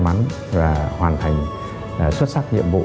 mắn và hoàn thành xuất sắc nhiệm vụ